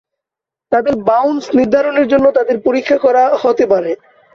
তাদের বাউন্স নির্ধারণের জন্য তাদের পরীক্ষা করা হতে পারে।